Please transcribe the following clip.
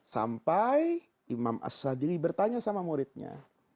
sampai imam as sadli bertanya sama muridnya